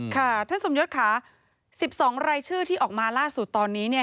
ค่ะท่านสมยศค่ะ๑๒รายชื่อที่ออกมาล่าสุดตอนนี้เนี่ย